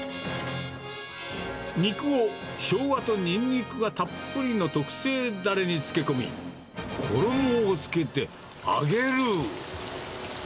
肉をしょうがとニンニクがたっぷりの特製だれに漬け込み、衣をつけて揚げる。